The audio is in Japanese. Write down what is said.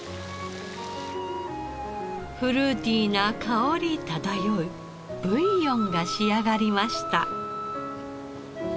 フルーティーな香り漂うブイヨンが仕上がりました。